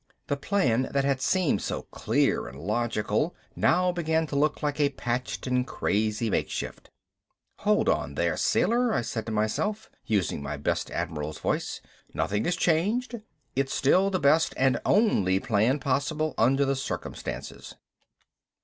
The plan that had seemed so clear and logical now began to look like a patched and crazy makeshift. "Hold on there, sailor," I said to myself. Using my best admiral's voice. "Nothing has changed. It's still the best and only plan possible under the circumstances."